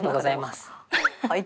はい。